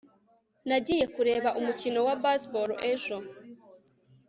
nagiye kureba umukino wa baseball ejo